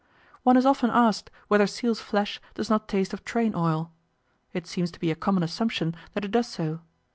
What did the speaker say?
One is often asked whether seal's flesh does not taste of train oil. It seems to be a common assumption that it does so.